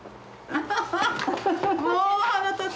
ハハハハ！